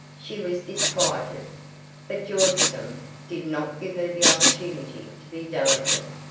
She was disquieted, but Bjornstam did not give her the opportunity to be delicate.